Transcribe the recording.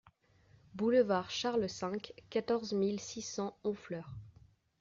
Boulevard Charles cinq, quatorze mille six cents Honfleur